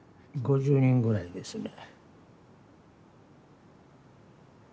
５０人ぐらいですね。